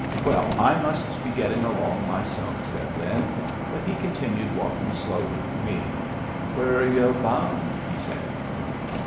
"Well, I must be getting along myself," said Lin; but he continued walking slowly with me. "Where're yu' bound?" he said.